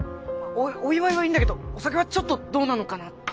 お祝いはいいんだけどお酒はちょっとどうなのかなって。